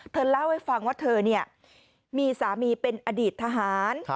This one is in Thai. เธอเล่าให้ฟังว่าเธอมีสามีเป็นอดีตทหาร